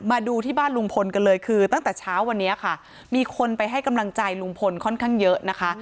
มาดูที่บ้านลุงพลกันเลยคือตั้งแต่เช้าวันนี้ค่ะมีคนไปให้กำลังใจลุงพลค่อนข้างเยอะนะคะ